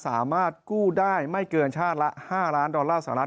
สามารถกู้ได้ไม่เกินชาติละ๕ล้านดอลลาร์สหรัฐ